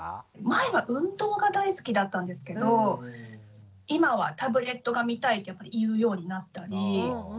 前は運動が大好きだったんですけど今はタブレットが見たいって言うようになったり。